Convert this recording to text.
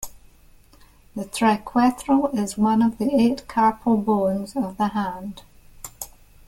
The triquetral is one of the eight carpal bones of the hand.